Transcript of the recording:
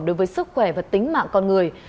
đối với sức khỏe và tính mạng con người